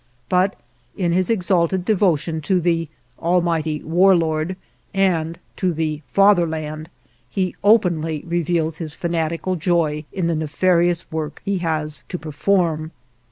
But in his exalted devotion to the Almighty War Lord, and to the Fatherland, he openly reveals his fanatical joy in the nefarious work he has to perform.